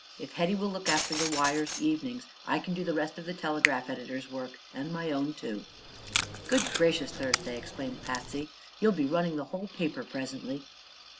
If Hetty will look after the wires evenings I can do the rest of the telegraph editor's work, and my own, too." "Good gracious, Thursday!" exclaimed Patsy; "you'll be running the whole paper, presently."